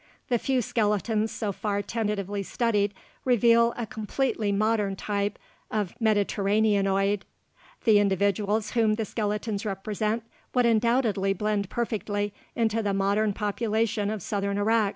The few skeletons so far tentatively studied reveal a completely modern type of "Mediterraneanoid"; the individuals whom the skeletons represent would undoubtedly blend perfectly into the modern population of southern Iraq.